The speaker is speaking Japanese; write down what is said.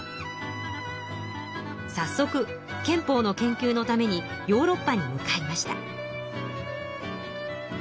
さっそく憲法の研究のためにヨーロッパに向かいました。